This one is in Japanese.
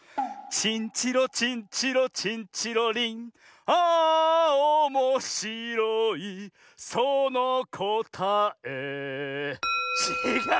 「チンチロチンチロチンチロリン」「あおもしろいそのこたえ」ちがう！